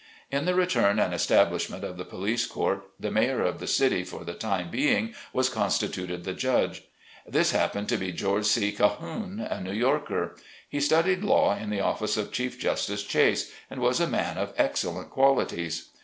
In the return and establishment of the Police Court, the Mayor of the city for the time being was constituted the judge. This happened to be George C. Cahoone, a New Yorker. He studied law in the office of Chief Justice Chase, and was a man of excellent qualities.